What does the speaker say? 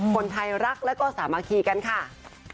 คนไทยรักแล้วก็สามัคคีกันค่ะ